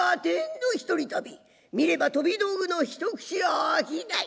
見れば飛び道具の一口商い。